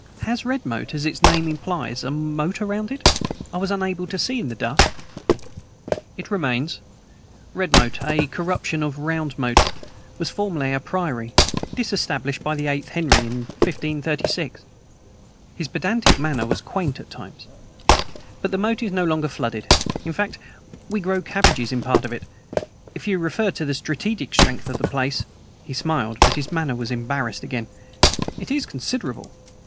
"Has Redmoat, as its name implies, a moat round it? I was unable to see in the dusk." "It remains. Redmoat a corruption of Round Moat was formerly a priory, disestablished by the eighth Henry in 1536." His pedantic manner was quaint at times. "But the moat is no longer flooded. In fact, we grow cabbages in part of it. If you refer to the strategic strength of the place" he smiled, but his manner was embarrassed again "it is considerable.